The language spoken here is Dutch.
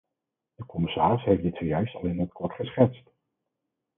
De commissaris heeft dit zojuist al in het kort geschetst.